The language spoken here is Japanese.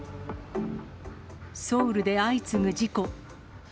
ソウルで相次ぐ事故。